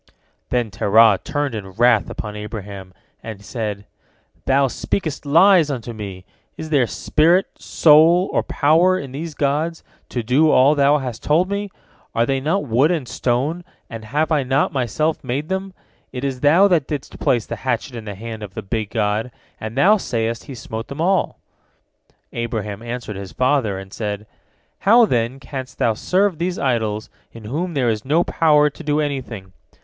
Then Terah turned in wrath upon Abraham, and he said: "Thou speakest lies unto me! Is there spirit, soul, or power in these gods to do all thou hast told me? Are they not wood and stone? and have I not myself made them? It is thou that didst place the hatchet in the hand of the big god, and thou sayest he smote them all." Abraham answered his father, and said: "How, then, canst thou serve these idols in whom there is no power to do anything?